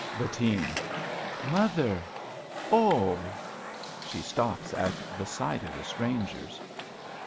Bettine. Mother Oh ! {She stops at the sight of the strangers.)